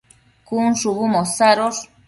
cun shubu mosadosh